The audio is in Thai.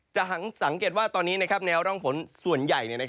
สังเกตว่าตอนนี้แนวร่องฝนส่วนใหญ่